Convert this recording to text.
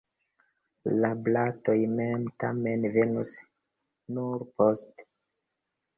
La blatoj mem, tamen, venos nur poste.